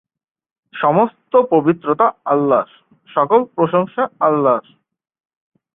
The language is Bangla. সমস্ত পবিত্রতা আল্লাহর, সকল প্রশংসা আল্লাহর।